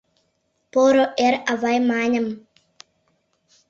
— Поро эр, авай! — маньым.